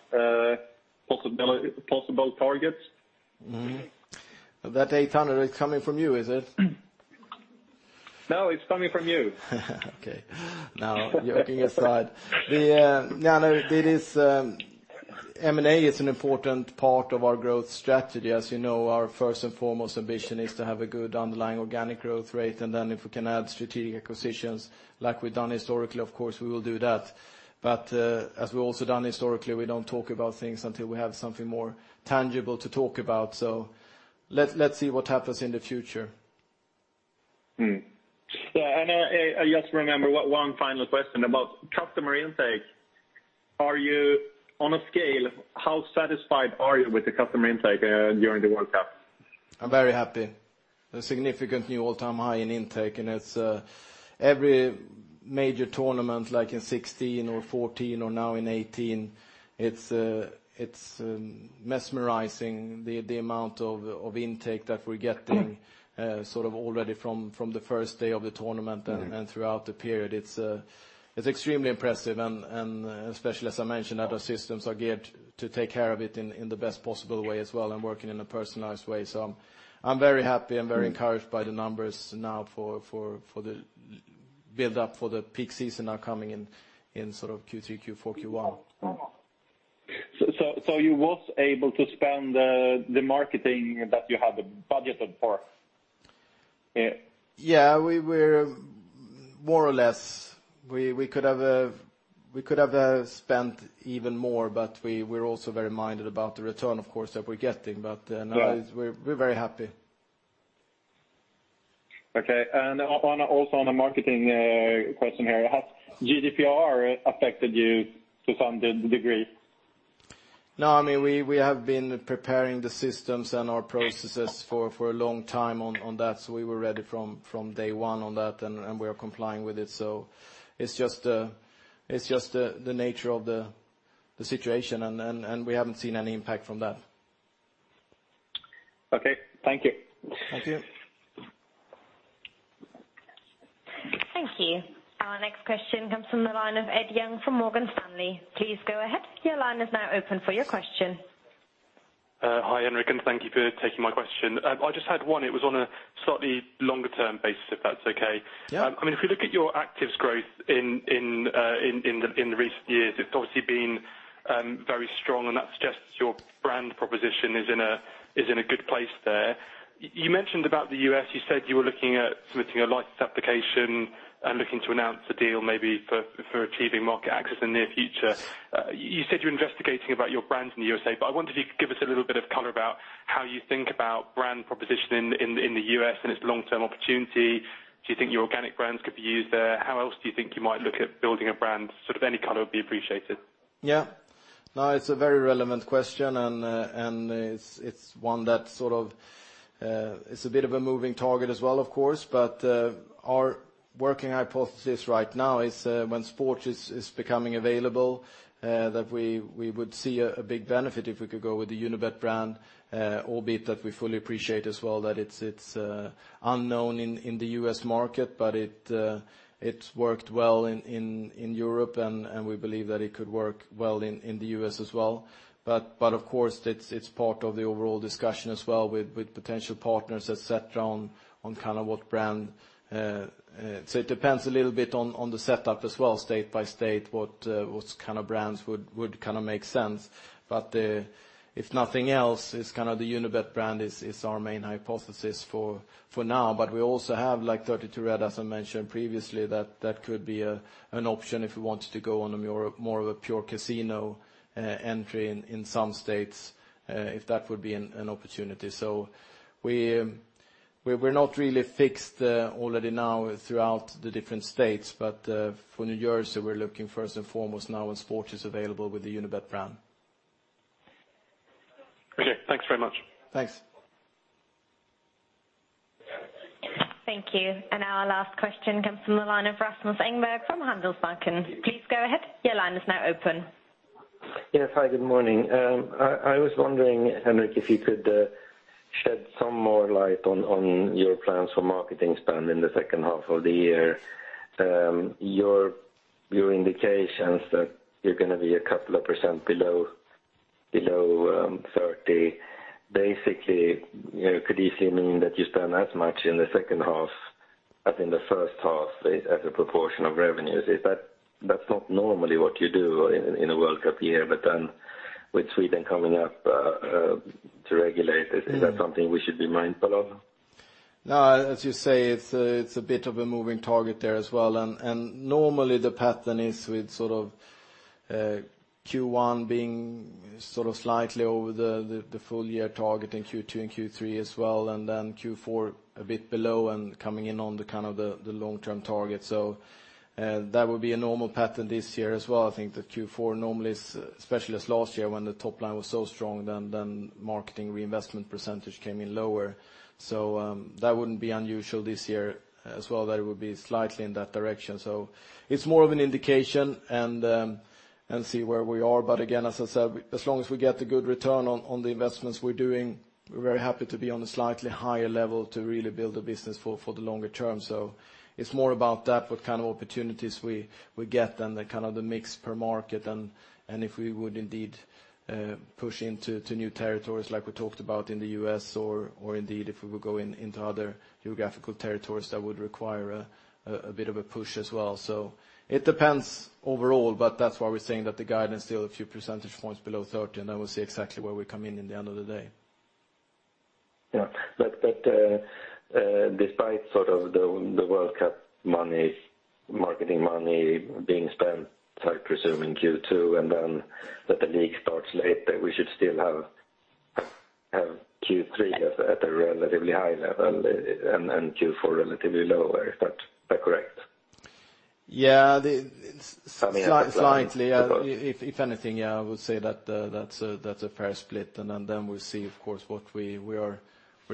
possible targets? That 800, it's coming from you, is it? No, it's coming from you. Okay. No, joking aside. M&A is an important part of our growth strategy. As you know, our first and foremost ambition is to have a good underlying organic growth rate. Then if we can add strategic acquisitions like we've done historically, of course, we will do that. As we've also done historically, we don't talk about things until we have something more tangible to talk about. Let's see what happens in the future. Yeah. I just remember one final question about customer intake. On a scale, how satisfied are you with the customer intake during the World Cup? I'm very happy. A significant new all-time high in intake, and it's every major tournament, like in 2016 or 2014 or now in 2018, it's mesmerizing the amount of intake that we're getting already from the first day of the tournament and throughout the period. It's extremely impressive and especially as I mentioned, that our systems are geared to take care of it in the best possible way as well and working in a personalized way. I'm very happy and very encouraged by the numbers now for the build-up for the peak season now coming in Q3, Q4, Q1. You was able to spend the marketing that you had the budget for? Yeah. More or less. We could have spent even more, but we're also very minded about the return, of course, that we're getting. We're very happy. Okay. Also on a marketing question here, has GDPR affected you to some degree? No, we have been preparing the systems and our processes for a long time on that. We were ready from day one on that, and we are complying with it. It's just the nature of the situation, and we haven't seen any impact from that. Okay. Thank you. Thank you. Thank you. Our next question comes from the line of Ed Young from Morgan Stanley. Please go ahead. Your line is now open for your question. Hi, Henrik. Thank you for taking my question. I just had one, it was on a slightly longer-term basis, if that's okay. Yeah. If we look at your actives growth in the recent years, it's obviously been very strong, and that suggests your brand proposition is in a good place there. You mentioned about the U.S., you said you were looking at submitting a license application and looking to announce the deal maybe for achieving market access in the near future. You said you're investigating about your brand in the U.S.A., I wondered if you could give us a little bit of color about how you think about brand proposition in the U.S. and its long-term opportunity. Do you think your organic brands could be used there? How else do you think you might look at building a brand? Sort of any color would be appreciated. Yeah. No, it's a very relevant question, it's a bit of a moving target as well, of course. Our working hypothesis right now is when sports is becoming available, that we would see a big benefit if we could go with the Unibet brand, albeit that we fully appreciate as well that it's unknown in the U.S. market, it's worked well in Europe and we believe that it could work well in the U.S. as well. Of course, it's part of the overall discussion as well with potential partners, et cetera, on what brand. It depends a little bit on the setup as well, state by state, what kind of brands would make sense. If nothing else, the Unibet brand is our main hypothesis for now. We also have 32Red, as I mentioned previously, that that could be an option if we wanted to go on more of a pure casino entry in some states, if that would be an opportunity. We're not really fixed already now throughout the different states, for New Jersey, we're looking first and foremost now when sports is available with the Unibet brand. Okay, thanks very much. Thanks. Thank you. Our last question comes from the line of Rasmus Engberg from Handelsbanken. Please go ahead. Your line is now open. Yes. Hi, good morning. I was wondering, Henrik, if you could shed some more light on your plans for marketing spend in the second half of the year. Your indications that you're going to be a couple of percent below 30%, basically, could easily mean that you spend as much in the second half as in the first half as a proportion of revenues. That's not normally what you do in a World Cup year, with Sweden coming up to regulate, is that something we should be mindful of? No, as you say, it's a bit of a moving target there as well. Normally the pattern is with sort of Q1 being sort of slightly over the full year target in Q2 and Q3 as well, Q4 a bit below and coming in on the kind of the long-term target. That would be a normal pattern this year as well. I think that Q4 normally is, especially as last year when the top line was so strong, then marketing reinvestment % came in lower. That wouldn't be unusual this year as well, that it would be slightly in that direction. It's more of an indication and see where we are. Again, as I said, as long as we get the good return on the investments we're doing, we're very happy to be on a slightly higher level to really build a business for the longer term. It's more about that, what kind of opportunities we get and the kind of the mix per market and if we would indeed push into new territories like we talked about in the U.S. or indeed if we would go into other geographical territories, that would require a bit of a push as well. It depends overall, but that's why we're saying that the guidance is still a few percentage points below 30%, and then we'll see exactly where we come in the end of the day. Yeah. Despite sort of the World Cup marketing money being spent, I presume in Q2, and then that the league starts late, we should still have Q3 at a relatively high level and Q4 relatively lower. Is that correct? Yeah. Something like that. Slightly. If anything, yeah, I would say that's a fair split. Then we'll see, of course, we are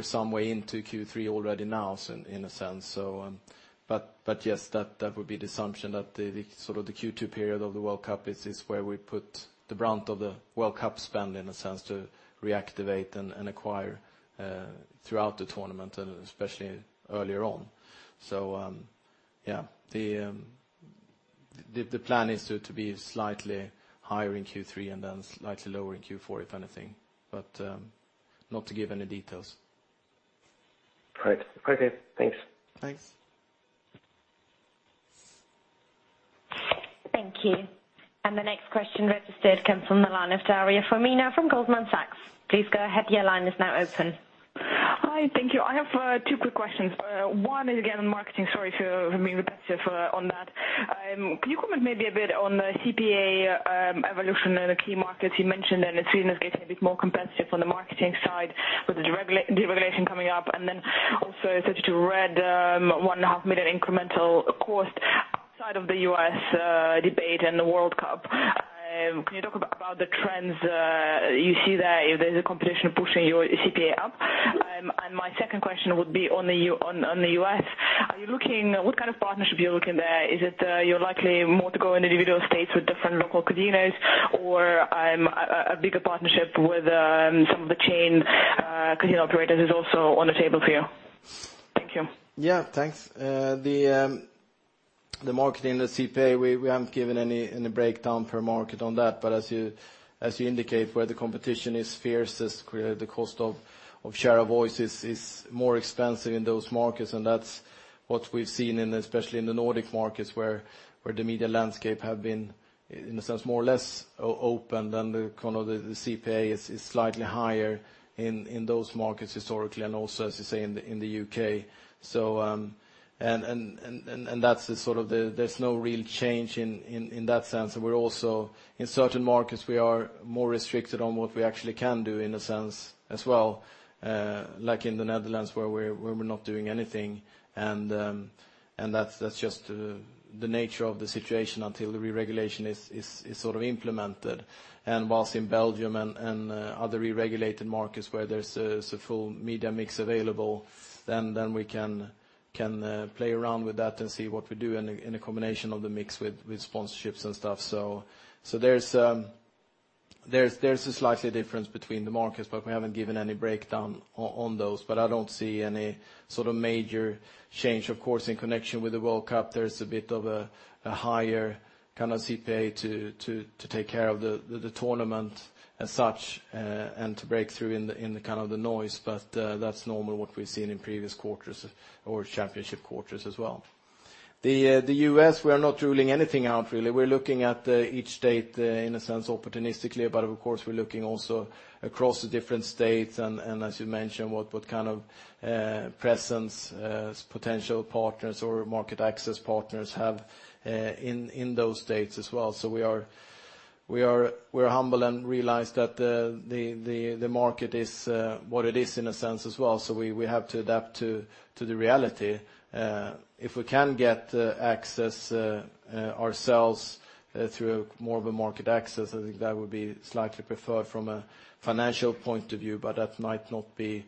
some way into Q3 already now in a sense. Yes, that would be the assumption that the sort of the Q2 period of the World Cup is where we put the brunt of the World Cup spend, in a sense, to reactivate and acquire throughout the tournament, and especially earlier on. Yeah, the plan is to be slightly higher in Q3 and then slightly lower in Q4, if anything, but not to give any details. Right. Okay, thanks. Thanks. Thank you. The next question registered comes from the line of Daria Fomina from Goldman Sachs. Please go ahead, your line is now open. Hi, thank you. I have two quick questions. One is, again, on marketing, sorry for being repetitive on that. Can you comment maybe a bit on the CPA evolution in the key markets you mentioned, and it's getting a bit more competitive on the marketing side with the deregulation coming up, and then also 32Red, one and a half million incremental cost outside of the U.S. debate and the World Cup. Can you talk about the trends you see there if there's a competition pushing your CPA up? My second question would be on the U.S. What kind of partnership you're looking there? Is it you're likely more to go in individual states with different local casinos, or a bigger partnership with some of the chain casino operators is also on the table for you? Thank you. Yeah. Thanks. The marketing, the CPA, we haven't given any breakdown per market on that. As you indicate, where the competition is fiercest, the cost of share of voice is more expensive in those markets, and that's what we've seen especially in the Nordic markets, where the media landscape have been In a sense, more or less open than the CPA is slightly higher in those markets historically, and also, as you say, in the U.K. There's no real change in that sense. In certain markets, we are more restricted on what we actually can do in a sense as well, like in the Netherlands, where we're not doing anything, and that's just the nature of the situation until the re-regulation is implemented. Whilst in Belgium and other regulated markets where there's a full media mix available, then we can play around with that and see what we do in a combination of the mix with sponsorships and stuff. There's a slight difference between the markets, but we haven't given any breakdown on those. I don't see any major change. Of course, in connection with the World Cup, there's a bit of a higher kind of CPA to take care of the tournament as such, and to break through in the noise. That's normally what we've seen in previous quarters or championship quarters as well. The U.S., we are not ruling anything out, really. We're looking at each state in a sense, opportunistically. Of course, we're looking also across the different states and as you mentioned, what kind of presence potential partners or market access partners have in those states as well. We're humble and realize that the market is what it is in a sense as well. We have to adapt to the reality. If we can get access ourselves through more of a market access, I think that would be slightly preferred from a financial point of view, but that might not be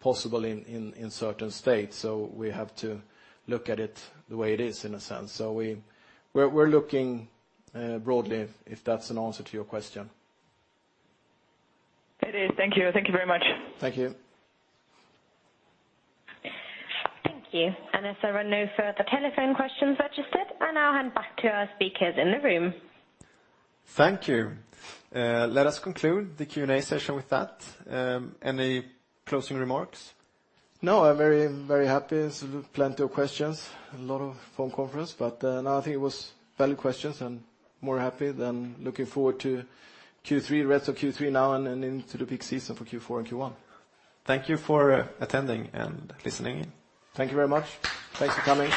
possible in certain states. We have to look at it the way it is in a sense. We're looking broadly, if that's an answer to your question. It is. Thank you. Thank you very much. Thank you. Thank you. As there are no further telephone questions registered, I now hand back to our speakers in the room. Thank you. Let us conclude the Q&A session with that. Any closing remarks? No, I'm very happy. There's plenty of questions. A lot of phone conference, but no, I think it was valid questions, and more happy, then looking forward to Q3, rest of Q3 now, and into the peak season for Q4 and Q1. Thank you for attending and listening in. Thank you very much. Thanks for coming.